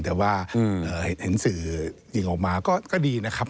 แต่ว่าเห็นสื่อยิงออกมาก็ดีนะครับ